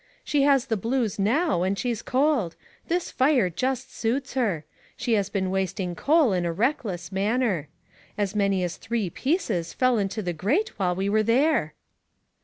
" She has the blues now, and she's cold. This fire just suits her. She has been wasting coal in a reckless manner. As many as three pieces fell into the grate while we were there."